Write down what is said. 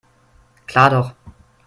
Klar doch.